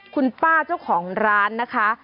คุณป้าเจ้าของร้านนะคะ